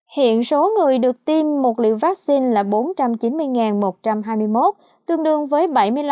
hiện số người được tiêm một liều vaccine là bốn trăm chín mươi một trăm hai mươi một tương đương với bảy mươi năm hai mươi tám